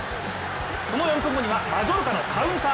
その４分後にはマジョルカのカウンター。